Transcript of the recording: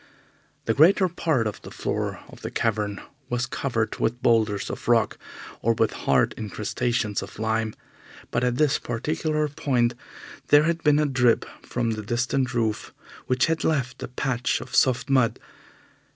The greater part of the floor of the cavern was covered with boulders of rock or with hard incrustations of lime, but at this particular point there had been a drip from the distant roof, which had left a patch of soft mud.